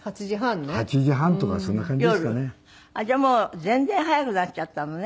じゃあもう全然早くなっちゃったのね。